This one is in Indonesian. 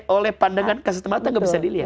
oleh pandangan kasat mata gak bisa dilihat